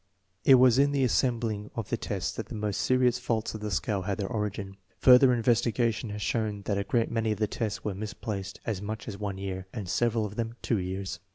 It was in the assembling of the tests that the most serious faults of the scale had their origin. Further investigation has shown that a great many of the tests were misplaced as much as one year, and several of them two years.